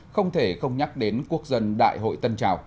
không thể không nhắc đến quốc dân đại hội tân trào